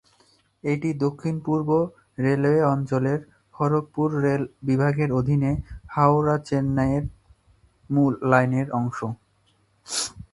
এটি দক্ষিণ পূর্ব রেলওয়ে অঞ্চলের খড়গপুর রেল বিভাগের অধীনে হাওড়া-চেন্নাই মূল লাইনের অংশ।